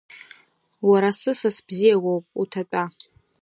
Уара сысас бзиа уоуп, уҭатәа.